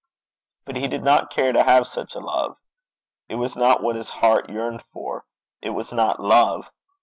But he did not care to have such a love. It was not what his heart yearned for. It was not love.